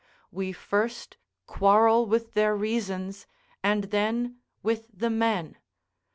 We first quarrel with their reasons, and then with the men.